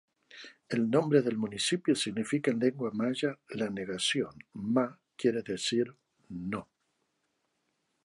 El nombre del municipio significa en lengua maya la negación: "ma" quiere decir "no".